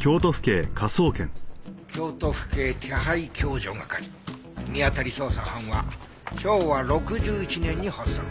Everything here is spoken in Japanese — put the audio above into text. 京都府警手配共助係見当たり捜査班は昭和６１年に発足。